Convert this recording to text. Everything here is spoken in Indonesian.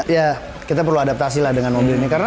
ya kita perlu adaptasi lah dengan mobil ini